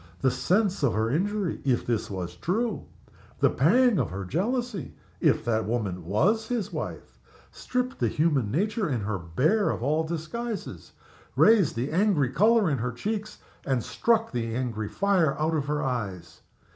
The sense of her injury (if this was true), the pang of her jealousy (if that woman was his wife), stripped the human nature in her bare of all disguises, raised the angry color in her cheeks, and struck the angry fire out of her eyes.